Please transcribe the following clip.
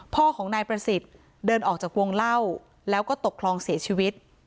พ่อของนายประสิทธิ์เดินออกจากวงเล่าแล้วก็ตกคลองเสียชีวิต